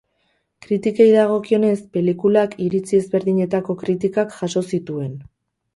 Kritikei dagokionez, pelikulak iritzi ezberdinetako kritikak jaso zituen.